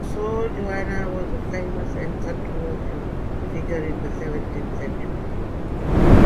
Sor Juana was a famous and controversial figure in the seventeenth century.